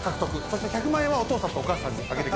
そして１００万円はお父さんとお母さんにあげてください。